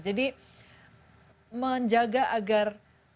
jadi menjaga agar